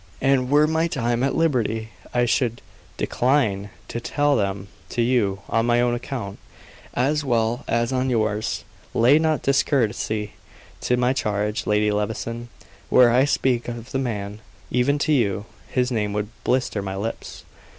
"And were my time at liberty, I should decline to tell them to you, on my own account, as well as on yours. Lay not discourtesy to my charge, Lady Levison. Were I to speak of the man, even to you, his name would blister my lips."